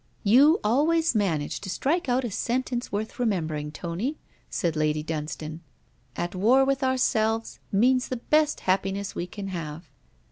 'You always manage to strike out a sentence worth remembering, Tony,' said Lady Dunstane. 'At war with ourselves, means the best happiness we can have.'